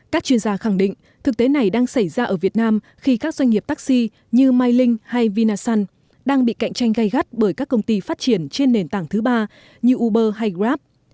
các doanh nghiệp taxi như mylink hay vinasun đang bị cạnh tranh gây gắt bởi các công ty phát triển trên nền tảng thứ ba như uber hay grab